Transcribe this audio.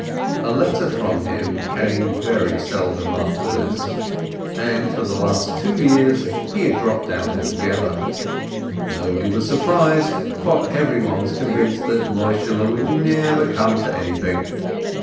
A letter from him came very seldom after this, and for the last two years he had dropped out altogether. Nobody was surprised, for everyone was convinced that Moisheh would never come to anything.